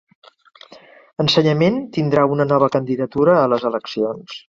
Ensenyament tindrà una nova candidatura a les eleccions